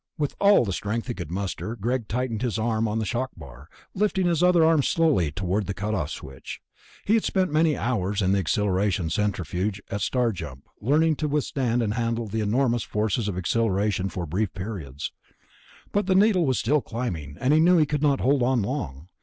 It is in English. With all the strength he could muster Greg tightened his arm on the shock bar, lifting his other arm slowly toward the cut off switch. He had spent many hours in the accelleration centrifuge at Star Jump, learning to withstand and handle the enormous forces of accelleration for brief periods, but the needle was still climbing and he knew he could not hold on long.